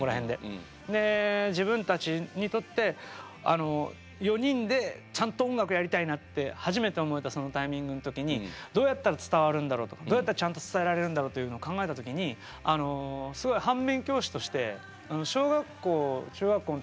で自分たちにとってあの４人でちゃんと音楽やりたいなって初めて思えたそのタイミングの時にどうやったら伝わるんだろうとどうやったらちゃんと伝えられるんだろうというのを考えた時にあのすごいが出てきたんですよね。